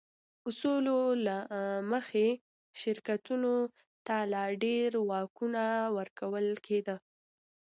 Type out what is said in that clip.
اصولو له مخې شرکتونو ته لا ډېر واکونه ورکول کېده.